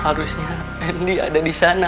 harusnya handi ada di sana